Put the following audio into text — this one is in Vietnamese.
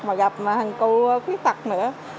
mà gặp hàng cụ khuyết tặc nữa